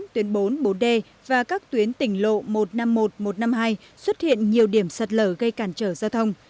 tuyến bốn bốn d và các tuyến tỉnh lộ một trăm năm mươi một một trăm năm mươi hai xuất hiện nhiều điểm sạt lở gây cản trở giao thông